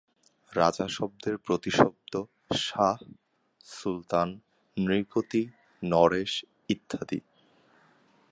রাজা শব্দের প্রতিশব্দ শাহ, সুলতান, নৃপতি, নরেশ ইত্যাদি।